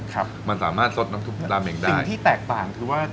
ครับมันสามารถสดราเมนได้ซึ่งที่แตกต่างมันคือว่าตะวัย